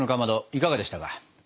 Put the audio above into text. いかがでしたか？